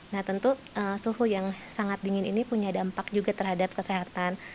nah tentu suhu yang sangat dingin ini punya dampak juga terhadap kesehatan